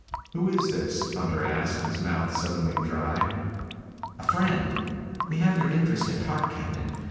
"Who is this?" Hunter asked, his mouth suddenly dry. "A friend. We have your interest at heart, Captain.